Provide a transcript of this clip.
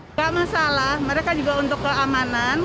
nggak masalah mereka juga untuk keamanan